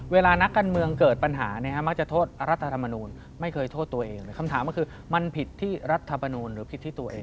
เวลานักการเมืองเกิดปัญหาเนี่ยมักจะโทษรัฐธรรมนูลไม่เคยโทษตัวเองคำถามก็คือมันผิดที่รัฐมนูลหรือผิดที่ตัวเอง